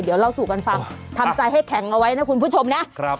เดี๋ยวเล่าสู่กันฟังทำใจให้แข็งเอาไว้นะคุณผู้ชมนะ